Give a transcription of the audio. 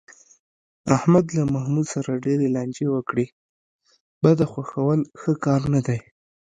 احمد له محمود سره ډېرې لانجې وکړې، بده خوښول ښه کار نه دی.